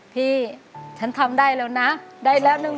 พี่ฉันทำได้แล้วนะได้แล้วหนึ่ง